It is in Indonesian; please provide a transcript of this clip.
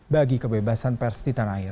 bagi kebebasan pers di tanah air